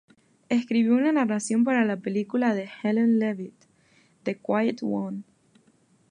Escribió una narración para la película de Helen Levitt, "The Quiet One".